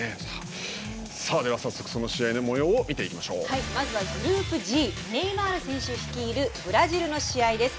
さあでは早速その試合のもようをまずグループＧネイマール選手率いるブラジルの試合です。